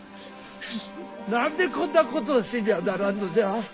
何でこんなことをせにゃならんのじゃ。